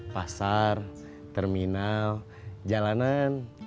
pasar terminal jalanan